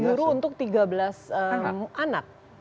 guru untuk tiga belas anak